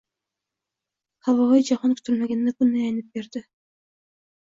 Havoi jahon kutilmaganda bunday aynib berdi.